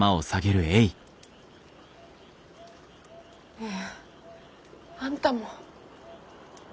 ねえあんたも。